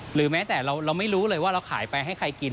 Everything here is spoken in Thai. หรือแม้แต่เราไม่รู้เลยว่าเราขายไปให้ใครกิน